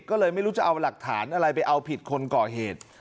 ก็เลยไม่รู้จะเอาหลักฐานอะไรไปเอาผิดคนก่อเหตุ